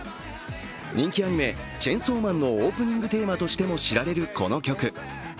人気アニメ「チェンソーマン」のオープニングテーマとしても知られるこの曲。